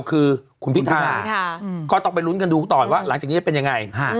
คือคุณพิทาก็ต้องไปลุ้นกันดูต่อว่าหลังจากนี้จะเป็นยังไง